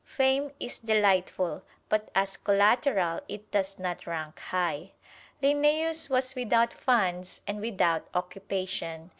Fame is delightful, but as collateral it does not rank high. Linnæus was without funds and without occupation.